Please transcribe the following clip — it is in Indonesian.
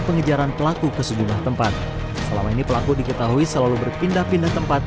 pengejaran pelaku ke sejumlah tempat selama ini pelaku diketahui selalu berpindah pindah tempat